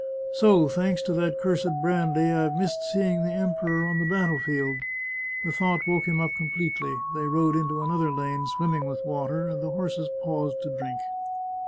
" So, thanks to that cursed brandy, I've missed seeing the Emperor on the battle field." The thought woke him up completely. They rode into another lane swimming with water, and the horses paused to drink.